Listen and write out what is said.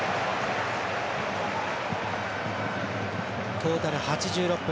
トータル８６分。